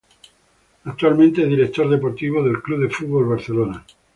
Actualmente es director deportivo del F. C. Barcelona.